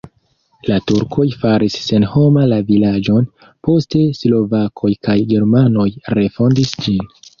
La turkoj faris senhoma la vilaĝon, poste slovakoj kaj germanoj refondis ĝin.